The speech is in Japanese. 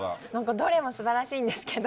どれも素晴らしいんですけど